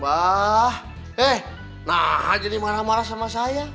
bah eh nah aja nih marah marah sama saya